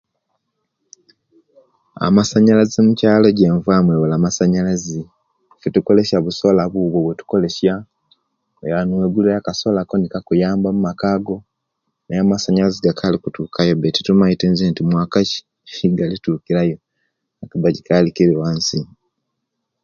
Amasanyalaze muchalo ejenvamu ebula masanyalaze ife tukozesia bu sola bubwo bwetukozesia oyaba newegulirayo akasola ko ne'kakuyamba mumaka go naye amasanyalaze gakali okutuka yo be tetumaite nti mwaka ki ejekalitukirayo kuba kikali kiriwansi